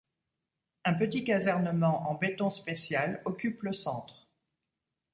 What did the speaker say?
Un petit casernement en béton spécial occupe le centre.